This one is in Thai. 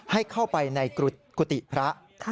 ให้เข้าไปในกุฏิพระ